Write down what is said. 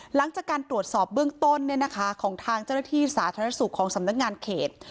หลังจากการตรวจสอบเบื้องต้นของทางเจ้าหน้าที่สาธารณสุขของสำนักงานเขต